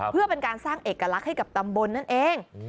เพื่อเป็นการสร้างเอกลักษณ์ให้กับตำบลนั่นเอง